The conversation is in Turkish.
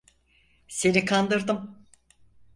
Seni kandırdım.